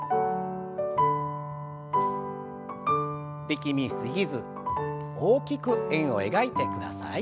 力み過ぎず大きく円を描いてください。